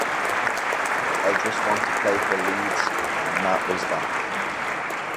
I just want to play for Leeds,' and that was that.